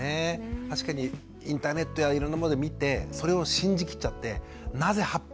確かにインターネットやいろんなもので見てそれを信じ切っちゃってなぜ８分。